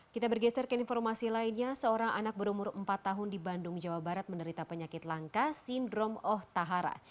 kita bergeser ke informasi lainnya seorang anak berumur empat tahun di bandung jawa barat menderita penyakit langka sindrom oh tahara